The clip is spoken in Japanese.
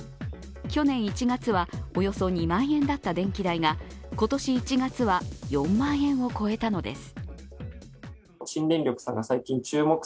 去年１月はおよそ２万円だった電気代が今年１月は４万円を超えたのです。